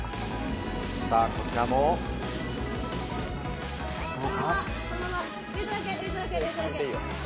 こちらも、どうか。